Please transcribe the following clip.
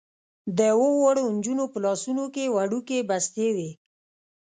د اوو واړو نجونو په لاسونو کې وړوکې بستې وې.